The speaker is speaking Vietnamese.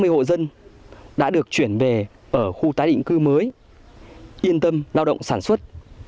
ba mươi hộ dân đã được chuyển về ở khu tái định cư mới yên tâm lao động sản xuất